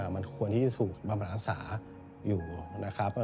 มันควรที่ถูกบรรพนักศึกษาอยู่นะครับ